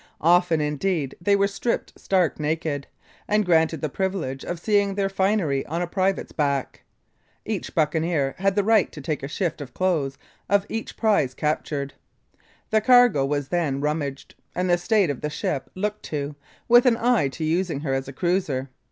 Often, indeed, they were stripped stark naked, and granted the privilege of seeing their finery on a pirate's back. Each buccaneer had the right to take a shift of clothes out of each prize captured. The cargo was then rummaged, and the state of the ship looked to, with an eye to using her as a cruiser.